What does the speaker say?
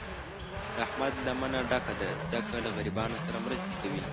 د احمد لمنه ډکه ده، ځکه له غریبانو سره مرستې کوي.